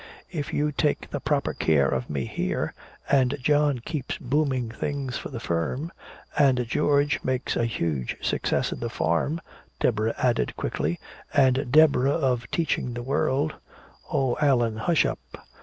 If you take the proper care of me here and John keeps booming things for the firm " "And George makes a huge success of the farm," Deborah added quickly. "And Deborah of teaching the world " "Oh, Allan, hush up!"